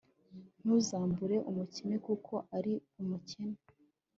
ntuzambure umukene kuko ari umukene